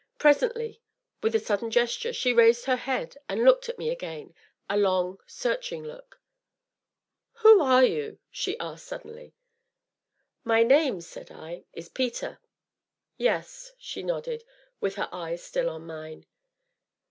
Presently, with a sudden gesture, she raised her head and looked at me again a long, searching look. "Who are you?" she asked suddenly. "My name," said I, "is Peter." "Yes," she nodded, with her eyes still on mine.